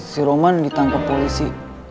si roman ditangkap polisi